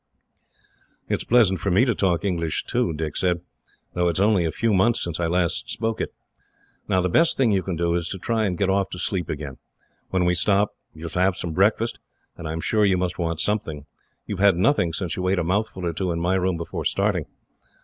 "It is pleasant to me to talk English, too," Dick said, "though it is only a few months since I last spoke it. Now, the best thing you can do is to try and get off to sleep again. When we stop you shall have breakfast. I am sure you must want something. You have had nothing since you ate a mouthful or two, in my room, before starting."